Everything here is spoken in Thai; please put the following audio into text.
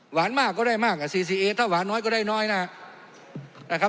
หวานมากก็ได้มากกับถ้าหวานน้อยก็ได้น้อยน่ะนะครับ